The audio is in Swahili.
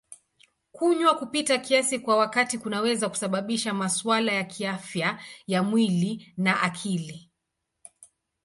Kunywa kupita kiasi kwa wakati kunaweza kusababisha masuala ya kiafya ya mwili na akili.